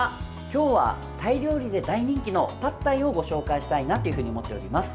今日はタイ料理で大人気のパッタイをご紹介したいなというふうに思っております。